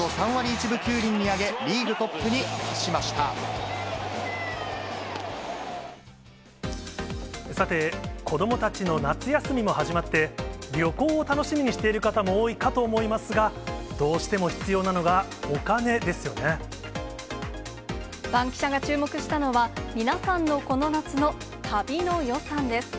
打率を３割分９厘に上げ、さて、子どもたちの夏休みも始まって、旅行を楽しみにしている方も多いかと思いますが、どうしても必要バンキシャが注目したのは、皆さんのこの夏の旅の予算です。